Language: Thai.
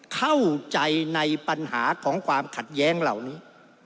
เข้าใจในปัญหาของความขัดแย้งเหล่านี้